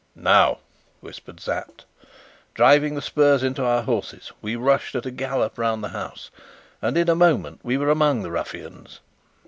"Now!" whispered Sapt. Driving the spurs into our horses, we rushed at a gallop round the house, and in a moment we were among the ruffians.